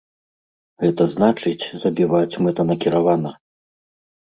Гэта значыць, забіваць мэтанакіравана.